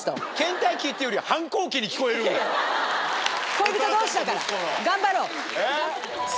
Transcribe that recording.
恋人同士だから頑張ろう。